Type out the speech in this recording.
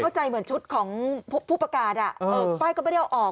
ใจเหมือนชุดของผู้ประกาศป้ายก็ไม่ได้เอาออก